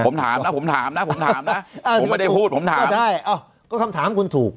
ผมถามนะผมถามนะผมถามนะผมไม่ได้พูดผมถามใช่ก็คำถามคุณถูก